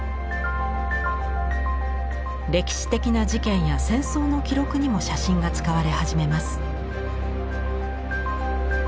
歴史的な事件や戦争の記録にも写真が使われ始めます。